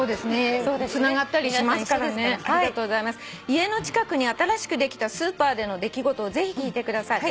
「家の近くに新しくできたスーパーでの出来事をぜひ聞いてください。